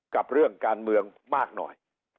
กับเรื่องการเมืองมากหน่อย